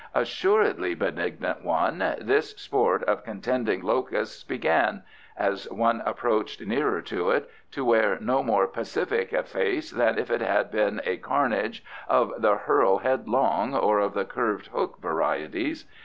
Assuredly, benignant one, this sport of contending locusts began, as one approached nearer to it, to wear no more pacific a face than if it had been a carnage of the hurl headlong or the curved hook varieties.